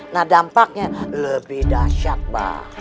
nah dampaknya lebih dahsyat mbak